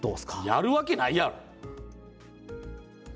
やるわけないやろ！